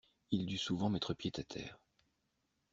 Il dut souvent mettre pied à terre.